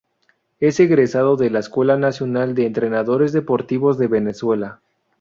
Es egresado de la Escuela Nacional de Entrenadores Deportivos de Venezuela.